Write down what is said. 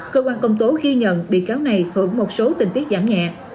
cơ quan công tố ghi nhận bị cáo này hưởng một số tình tiết giảm nhẹ